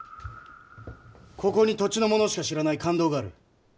ここに土地の者しか知らない間道がある。